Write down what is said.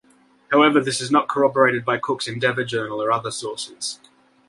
However this is not corroborated by Cook's "Endeavour" journal or other sources.